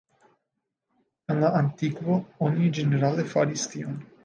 En la antikvo oni ĝenerale faris tion.